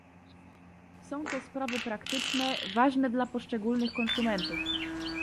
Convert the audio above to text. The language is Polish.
Są to sprawy praktyczne, ważne dla poszczególnych konsumentów